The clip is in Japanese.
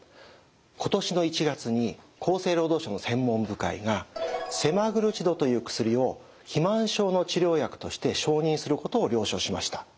今年の１月に厚生労働省の専門部会がセマグルチドという薬を肥満症の治療薬として承認することを了承しました。